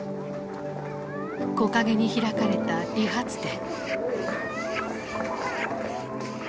木陰に開かれた理髪店。